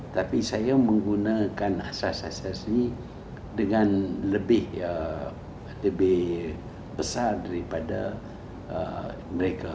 tapi saya menggunakan asas asas ini dengan lebih besar daripada mereka